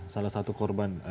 salah satu korban